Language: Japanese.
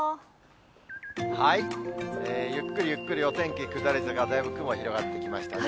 ゆっくりゆっくりお天気下り坂で、だいぶ雲広がってきましたね。